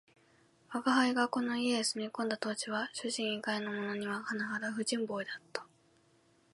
吾輩がこの家へ住み込んだ当時は、主人以外のものにははなはだ不人望であった